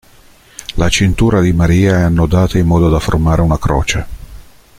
La cintura di Maria è annodata in modo da formare una croce.